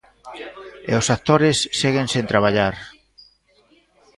E os actores seguen sen traballar.